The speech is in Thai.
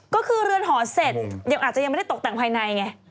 ก็คือเรือนหอเสร็จยังอาจจะยังไม่ได้ตกแต่งภายในไง